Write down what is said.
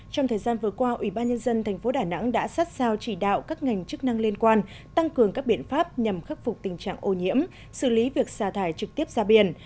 trong thời gian vừa qua ủy ban nhân dân tp đà nẵng đã sát sao chỉ đạo các ngành chức năng liên quan tăng cường các biện pháp nhằm khắc phục tình trạng ô nhiễm xử lý việc xả thải trực tiếp ra biển